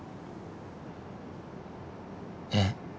えっ？